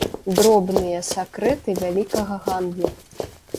Дробныя сакрэты вялікага гандлю.